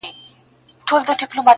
زه به ستا هېره که په یاد یم.!